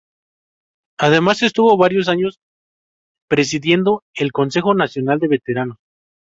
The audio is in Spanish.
Además, estuvo varios años presidiendo el Consejo Nacional de Veteranos.